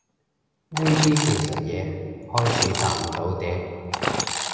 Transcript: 呢啲技術嘢開始搭唔到嗲